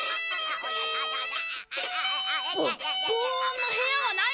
ぼ防音の部屋はないの？